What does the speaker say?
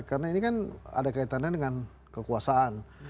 karena ini kan ada kaitannya dengan kekuasaan